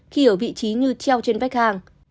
khi ở vị trí như treo trên vách hàng